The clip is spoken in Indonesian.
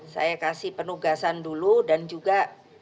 saya kasih penugasan dulu dan juga